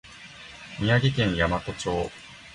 宮城県大和町